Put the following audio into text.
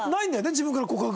自分から告白が。